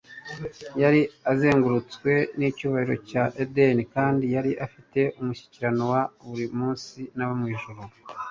Yari azengurutswe n'icyubahiro cya Edeni, kandi yari afite umushyikirano wa buri munsi n'abo mwijuru.